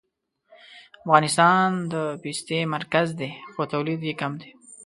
افغانستان د پستې مرکز دی خو تولید یې کم دی